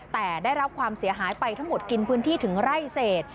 แต่ได้รับความเสียหายไปทั้งหมดกินพื้นที่ถึงไร่เศษ